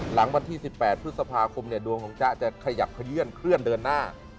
หลังวันที่๑๘พฤษภาคมดวงของจ๊ะจะขยับขยื่นเคลื่อนเดินหน้า